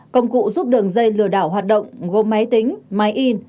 công cụ giúp đường dây lừa đảo hoạt động gồm máy tính máy in